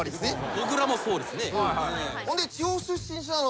僕らもそうですね。